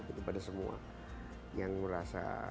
kepada semua yang merasa